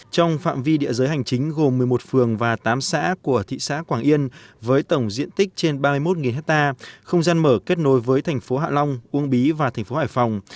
trong phạm vi địa giới hành chính gồm một mươi một phường và tám xã của thị xã quảng yên với tổng diện tích trên ba mươi một hectare không gian mở kết nối với thành phố hạ long uông bí và thành phố hải phòng